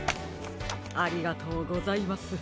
ありがとうございます。